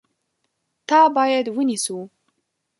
تا باید ونیسو !